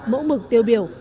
mẫu mực tiêu biểu